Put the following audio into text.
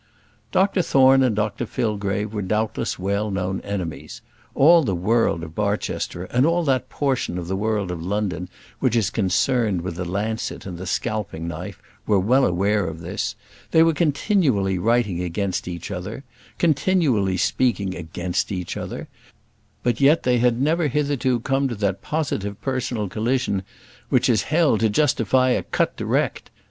Dr Thorne and Dr Fillgrave were doubtless well known enemies. All the world of Barchester, and all that portion of the world of London which is concerned with the lancet and the scalping knife, were well aware of this: they were continually writing against each other; continually speaking against each other; but yet they had never hitherto come to that positive personal collision which is held to justify a cut direct.